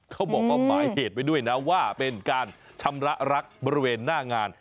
เขาบอกว่าหมายเหตุไว้ด้วยนะว่าเป็นการชำระรักบริเวณหน้างาน